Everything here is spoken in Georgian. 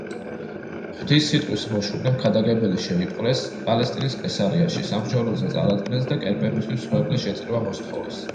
ღვთის სიტყვის მოშურნე მქადაგებელი შეიპყრეს, პალესტინის კესარიაში სამსჯავროზე წარადგინეს და კერპებისთვის მსხვერპლის შეწირვა მოსთხოვეს.